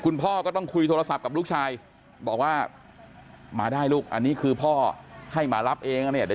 พ่อก็ต้องคุยโทรศัพท์กับลูกชายบอกว่ามาได้ลูกอันนี้คือพ่อให้มารับเองนะเนี่ยเดี๋ยว